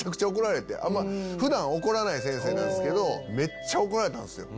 普段怒らない先生なんすけどめっちゃ怒られたんすよ。